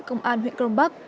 công an huyện cron park